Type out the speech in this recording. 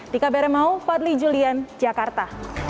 di kabar mau fadli julian jakarta